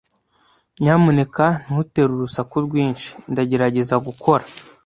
Nyamuneka ntutere urusaku rwinshi. Ndagerageza gukora.